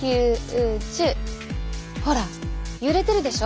ほら揺れてるでしょ？